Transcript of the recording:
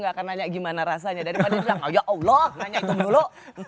aku nanya gimana rasanya daripada bilang ya allah nanya itu dulu